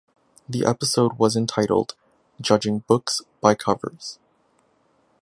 The episode was entitled "Judging Books by Covers".